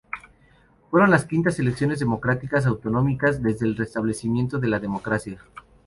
Fueron las quintas elecciones democráticas autonómicas desde el restablecimiento de la democracia.